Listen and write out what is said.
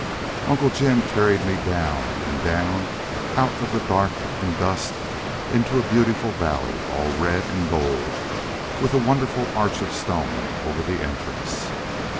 "Uncle Jim carried me down and down out of the dark and dust into a beautiful valley all red and gold, with a wonderful arch of stone over the entrance.